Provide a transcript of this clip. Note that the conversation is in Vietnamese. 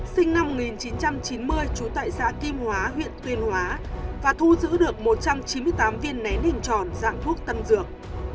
sinh năm một nghìn chín trăm chín mươi trú tại xã kim hóa huyện tuyên hóa và thu giữ được một trăm chín mươi tám viên nén hình tròn dạng thuốc tân dược